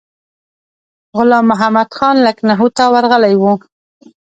غلام محمدخان لکنهو ته ورغلی دی.